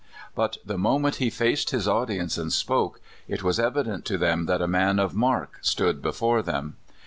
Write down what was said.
But the moment he faced his audience and spoke, it was evident to them that a man of mark stood be fore them.